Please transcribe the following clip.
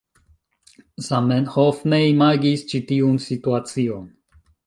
Zamenhof ne imagis ĉi tiun situacion